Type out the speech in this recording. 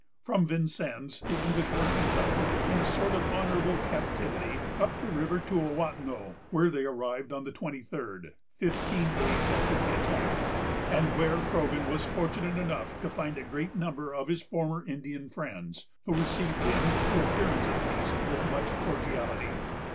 From Vincennes the English were conducted, in a sort of honorable captivity, up the river to Ouatanon, where they arrived on the twenty third, fifteen days after the attack, and where Croghan was fortunate enough to find a great number of his former Indian friends, who received him, to appearance at least, with much cordiality.